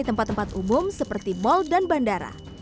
di tempat tempat umum seperti mal dan bandara